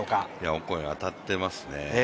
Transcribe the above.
オコエが当たってますね。